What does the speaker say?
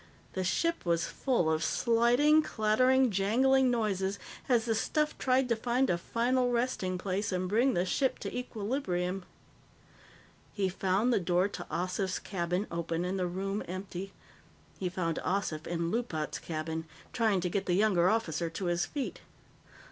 The ship was full of sliding, clattering, jangling noises as the stuff tried to find a final resting place and bring the ship to equilibrium. He found the door to Ossif's cabin open and the room empty. He found Ossif in Loopat's cabin, trying to get the younger officer to his feet.